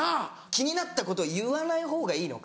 気になったことを言わない方がいいのか。